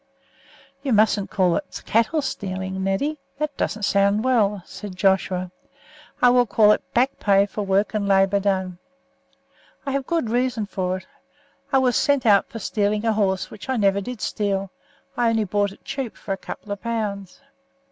"You mustn't call it cattle stealing, Neddy; that doesn't sound well," said Joshua. "I call it back pay for work and labour done. I have good reasons for it. I was sent out for stealing a horse, which I never did steal; I only bought it cheap for a couple of pounds.